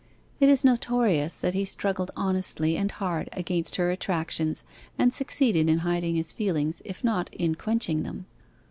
It is notorious that he struggled honestly and hard against her attractions, and succeeded in hiding his feelings, if not in quenching them.